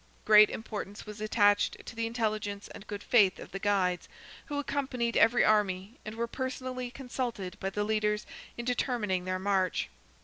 Great importance was attached to the intelligence and good faith of the guides, who accompanied every army, and were personally consulted by the leaders in determining their march.